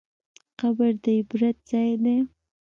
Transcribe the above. قبر د عبرت ځای دی.